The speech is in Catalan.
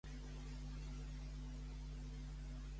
Per què va haver d'interrompre-ho?